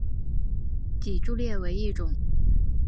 脊柱裂为一种。